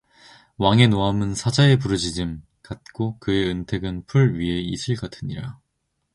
왕의 노함은 사자의 부르짖음 같고 그의 은택은 풀 위에 이슬 같으니라